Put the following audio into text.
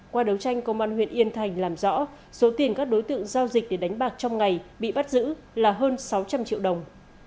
qua đấu tranh công an huyện yên thành làm rõ số tiền các đối tượng giao dịch để đánh bạc trong ngày bị bắt giữ là hơn sáu trăm linh triệu đồng